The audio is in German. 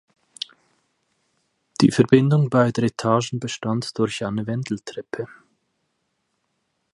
Die Verbindung beider Etagen bestand durch eine Wendeltreppe.